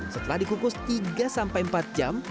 setelah dikukus tiga sampai empat jam